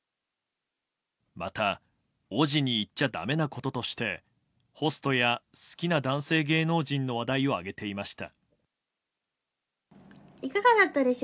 また、おぢに言っちゃだめなこととしてホストや好きな男性芸能人の話題を挙げていました。